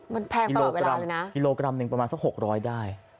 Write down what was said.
มันแพงตลอดเวลาเลยนะกิโลกรัม๑บาทประมาณสัก๖๐๐ได้